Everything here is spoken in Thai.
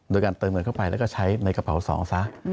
โดยการเติมเงินเข้าไปแล้วก็ใช้ในกระเป๋าสองซะ